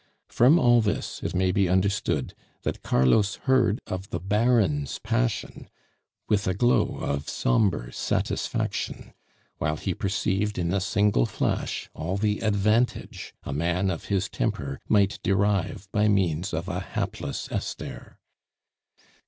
From all this it may be understood that Carlos heard of the Baron's passion with a glow of sombre satisfaction, while he perceived in a single flash all the advantage a man of his temper might derive by means of a hapless Esther.